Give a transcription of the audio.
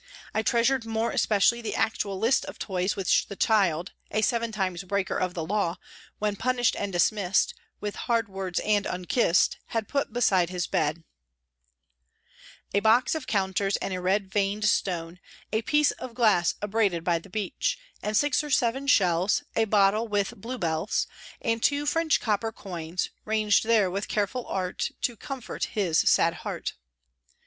I treasured more especially the actual list of toys which the child, a seven times breaker of the law, when punished and dismissed " with hard words and unkiss'd," had put beside his bed :" A box of counters and a red vein'd stone, A piece of glass abraded by the beach, And six or seven shells, A bottle with bluebells, And two French copper coins, ranged there with careful art To comfort his sad heart."